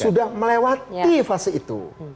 sudah melewati fase itu